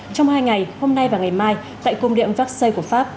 trong hai ngày hôm nay và ngày mai tại cung điện vaxi của pháp